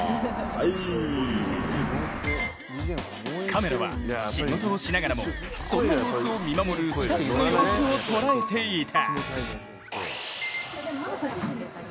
カメラは仕事をしながらもそんな様子を見守るスタッフの様子を捉えていた。